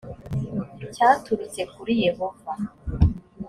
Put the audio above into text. cyaturutse kuri yehova